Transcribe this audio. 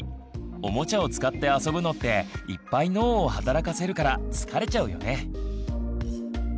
おもちゃを使って遊ぶのっていっぱい脳を働かせるから疲れちゃうよね！